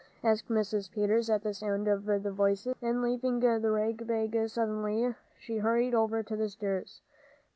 asked Mrs. Peters, at the sound of the voices; and, leaving the rag bag suddenly, she hurried over the stairs.